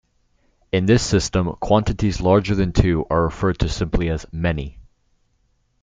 In this system, quantities larger than two are referred to simply as "many".